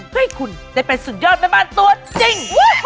ให้คุณได้เป็นสุดยอดแม่บ้านตัวจริง